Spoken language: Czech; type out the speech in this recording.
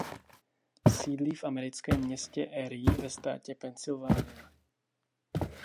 Sídlí v americkém městě Erie ve státě Pennsylvania.